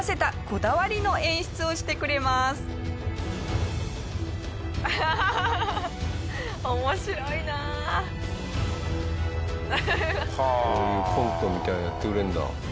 こういうコントみたいなのやってくれるんだ。